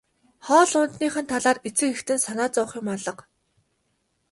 Хоол ундных нь талаар эцэг эхэд нь санаа зовох юм алга.